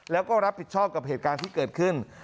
แล้วก็รับผิดชอบกับเหตุการณ์ที่เกิดขึ้น